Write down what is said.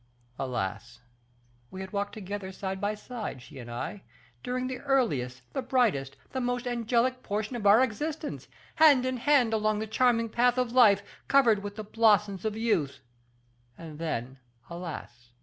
Alas! we had walked together side by side, she and I, during the earliest, the brightest, the most angelic portion of our existence, hand in hand along the charming path of life, covered with the blossoms of youth; and then, alas!